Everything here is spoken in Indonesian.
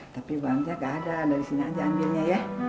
tapi banknya gak ada dari sini aja ambilnya ya